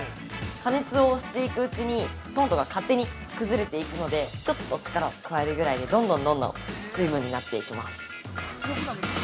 加熱をしていくうちに、トマトが勝手に崩れていくので、ちょっと力を加えるぐらいで、どんどん水分になっていきます。